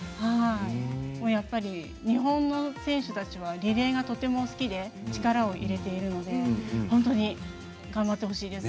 やっぱり日本の選手たちはリレーがとても好きで力を入れているので本当に頑張ってほしいですね。